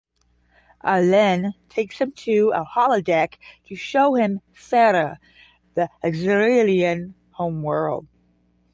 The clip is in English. Ah'len takes him to a holodeck to show him Thera, the Xyrillian homeworld.